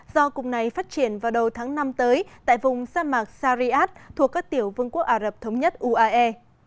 do cục này phát triển vào đầu tháng năm tới tại vùng sa mạc sariat thuộc các tiểu vương quốc ả rập thống nhất uae